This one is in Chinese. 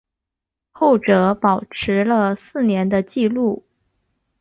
后者保持了四年的纪录。